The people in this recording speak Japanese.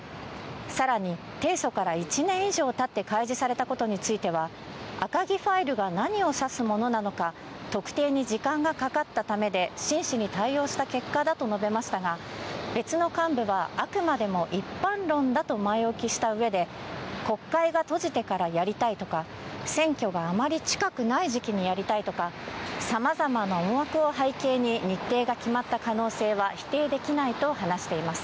さらに、提訴から１年以上たって開示されたことについては、赤木ファイルが何を指すものなのか、特定に時間がかかったためで、真摯に対応した結果だと述べましたが、別の幹部は、あくまでも一般論だと前置きしたうえで、国会が閉じてからやりたいとか、選挙があまり近くない時期にやりたいとか、さまざまな思惑を背景に、日程が決まった可能性は否定できないと話しています。